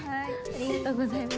ありがとうございます。